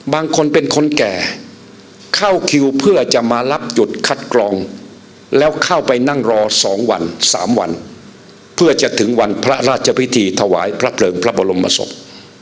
บางคนเป็นคนแก่เข้าคิวเพื่อจะมารับจุดคัดกรองแล้วเข้าไปนั่งรอ๒วัน๓วันเพื่อจะถึงวันพระราชพิธีถวายพระเพลิงพระบรมศพ